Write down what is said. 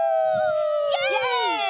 イエイ！